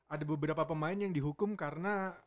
ada beberapa pemain yang dihukum karena